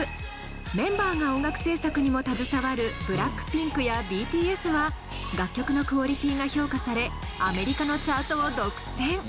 メンバーが音楽制作にも携わるＢＬＡＣＫＰＩＮＫやＢＴＳは楽曲のクオリティーが評価されアメリカのチャートを独占。